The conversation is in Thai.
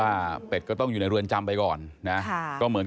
และก็จะรับความจริงของตัวเอง